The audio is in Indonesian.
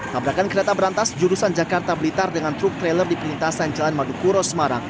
tabrakan kereta berantas jurusan jakarta blitar dengan truk trailer di perlintasan jalan madukuro semarang